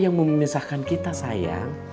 yang memisahkan kita sayang